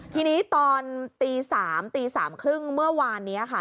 ทีนี้ตอนตี๓ตี๓๓๐เมื่อวานนี้ค่ะ